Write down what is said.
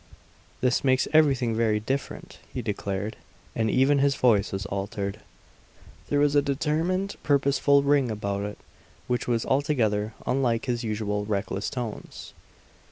"This makes everything very different!" he declared; and even his voice was altered. There was a determined, purposeful ring about it which was altogether unlike his usual reckless tones.